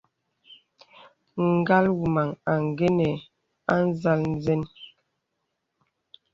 Ngal ngəməŋ àngənə́ à nzāl nzə́n.